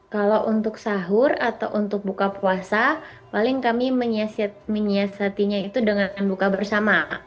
kalau untuk sahur atau untuk buka puasa paling kami menyiasatinya itu dengan buka bersama